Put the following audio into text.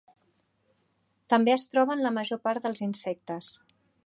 També es troba en la major part dels insectes.